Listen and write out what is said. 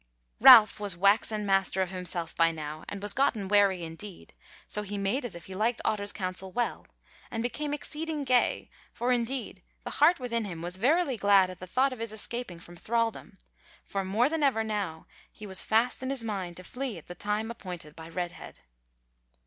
Ralph was waxen master of himself by now, and was gotten wary indeed, so he made as if he liked Otter's counsel well, and became exceeding gay; for indeed the heart within him was verily glad at the thought of his escaping from thralldom; for more than ever now he was fast in his mind to flee at the time appointed by Redhead.